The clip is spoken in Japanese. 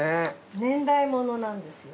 年代物なんですよ。